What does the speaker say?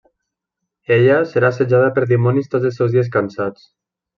Ella serà assetjada per dimonis tots els seus dies cansats.